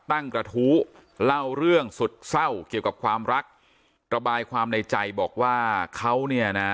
กระทู้เล่าเรื่องสุดเศร้าเกี่ยวกับความรักระบายความในใจบอกว่าเขาเนี่ยนะ